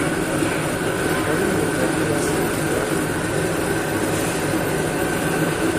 Bwe nnali ŋŋenda ani yamperekera?